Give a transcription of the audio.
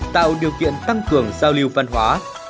tạo điều kiện tăng cường giao lưu văn hóa